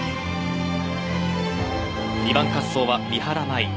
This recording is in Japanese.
２番滑走は三原舞依。